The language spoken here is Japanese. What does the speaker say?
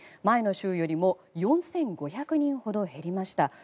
前の週よりも４５００人ほど減りました。